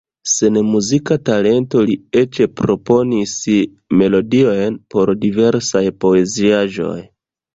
Sen muzika talento li eĉ proponis melodiojn por diversaj poeziaĵoj.